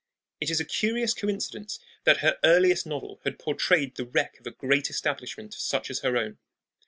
It is a curious coincidence that her earliest novel had portrayed the wreck of a great establishment such as her own.